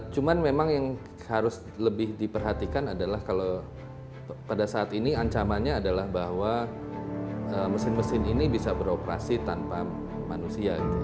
cuman memang yang harus lebih diperhatikan adalah kalau pada saat ini ancamannya adalah bahwa mesin mesin ini bisa beroperasi tanpa manusia gitu